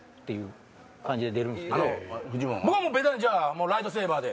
僕はベタにライトセーバーで。